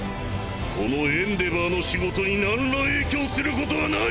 このエンデヴァーの仕事に何ら影響することはない！